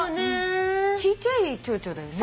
小ちゃいチョウチョだよね。